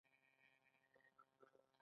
بانکي کارتونه په هر ځای کې چلیږي.